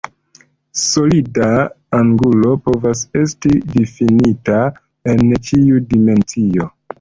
Solida angulo povas esti difinita en ĉiu dimensio.